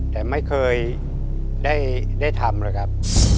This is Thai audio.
แต่ไม่เคยได้ทำเลยครับ